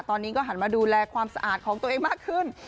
ตอนนี้ก็หันมาดูแลความสะอาดของตัวเองมากขึ้น